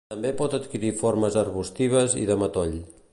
També pot adquirir formes arbustives i de matoll.